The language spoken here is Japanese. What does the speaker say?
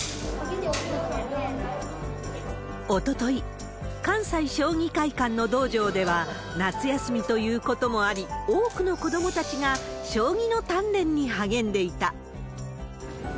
おととい、関西将棋会館の道場では、夏休みということもあり、多くの子どもたちが将棋の鍛錬に励んでいた。